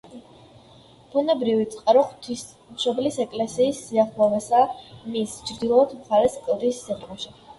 ბუნებრივი წყარო ღვთისმშობლის ეკლესიის სიახლოვესაა მის ჩრდილოეთ მხარეს, კლდის სიღრმეში.